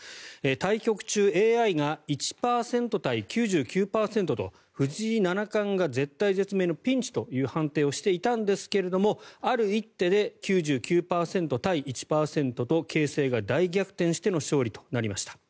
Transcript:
対局中、ＡＩが１％対９９％と藤井七冠が絶体絶命のピンチという判定をしていたんですがある一手で９９％対１％と形勢が大逆転しての勝利となりました。